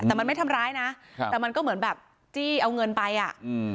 แต่มันไม่ทำร้ายนะครับแต่มันก็เหมือนแบบจี้เอาเงินไปอ่ะอืม